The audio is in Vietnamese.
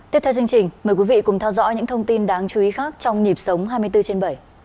tiếp theo chương trình mời quý vị cùng theo dõi những thông tin đáng chú ý khác trong nhịp sống hai mươi bốn trên bảy